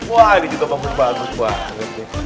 wah ini juga bagus banget